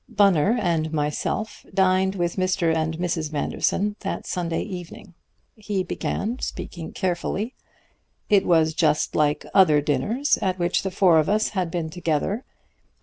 "Bunner and myself dined with Mr. and Mrs. Manderson that Sunday evening," he began, speaking carefully. "It was just like other dinners at which the four of us had been together.